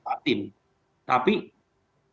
tapi dilihat satu bulan ke depan